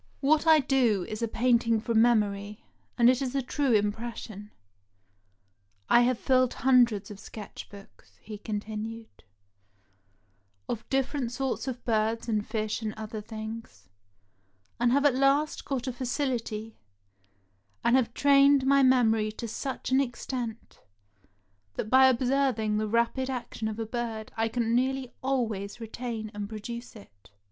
What I do is a painting from memory, and it is a true impression. I have filled hundreds of sketch books," he continued, "of different sorts of birds and fish and other things, and have at last got a facility, and have trained my memory to such an extent, that by observing the rapid action of a bird I can nearly always retain and produce it.